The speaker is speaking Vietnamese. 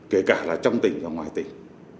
kể cả là trong tỉnh và ngoài tỉnh